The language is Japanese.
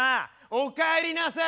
おかえりなさい！